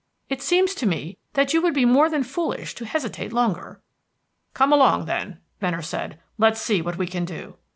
It seems to me that you would be more than foolish to hesitate longer." "Come along, then," Venner said. "Let's see what we can do."